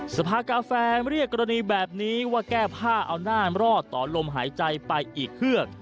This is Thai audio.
สภากาแฟเรียกกรณีแบบนี้ว่าแก้ผ้าเอาหน้ารอดต่อลมหายใจไปอีกเฮือก